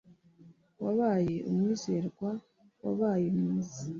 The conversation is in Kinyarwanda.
wabaye umwizerwa, wabaye mwiza